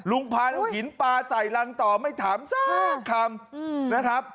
พาเอาหินปลาใส่รังต่อไม่ถามสักคำนะครับ